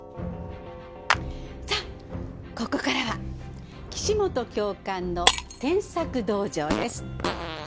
さあここからは「岸本教官の添削道場」です。